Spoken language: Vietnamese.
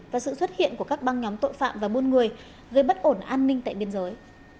và sự xuất hiện của các băng nhóm tội phạm và buôn người gây bất ổn an ninh tại biên giới